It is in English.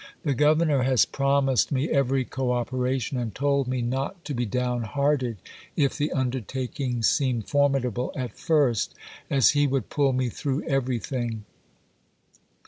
The governor has promised me every co operation and told me 'not to be down hearted if the undertaking seemed formidable at first, as he would pull me through everything.'